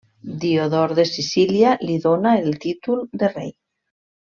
Diodor de Sicília li dóna el títol de rei.